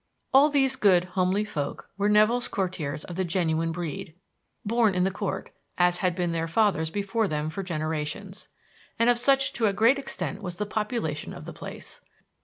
All these good, homely folk were Nevill's Courtiers of the genuine breed; born in the court, as had been their fathers before them for generations. And of such to a great extent was the population of the place.